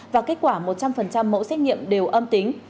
và kết quả một trăm linh mẫu xét nghiệm đều âm tính